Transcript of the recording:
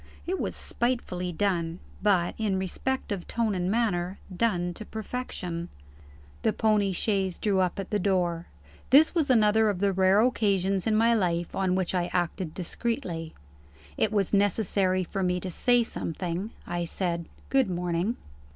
It was spitefully done but, in respect of tone and manner, done to perfection. The pony chaise drew up at the door. This was another of the rare occasions in my life on which I acted discreetly. It was necessary for me to say something. I said, "Good morning."